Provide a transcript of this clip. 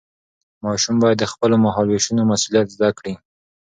ماشوم باید د خپلو مهالوېشونو مسؤلیت زده کړي.